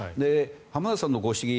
浜田さんのご指摘